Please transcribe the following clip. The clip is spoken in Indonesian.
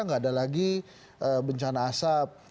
nggak ada lagi bencana asap